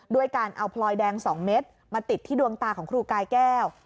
ด้วยการเอาพลอยแดง๒เม็ดมาติดที่ดวงตาของครูกายแก้ว